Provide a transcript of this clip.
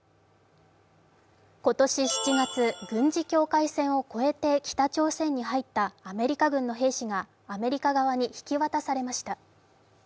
今年７月、軍事境界線を越えて北朝鮮に入ったアメリカ軍の兵士がアメリカ側に引き渡されました。